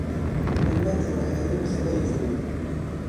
ایمل او هارون خبرې کوي.